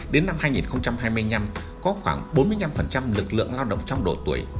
đến năm hai nghìn hai mươi năm có khoảng bốn mươi năm lực lượng lao động trong độ tuổi